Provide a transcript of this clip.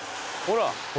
ほら。